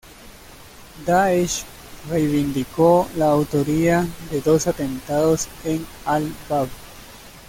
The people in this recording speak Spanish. Daesh reivindicó la autoría de dos atentados en Al Bab.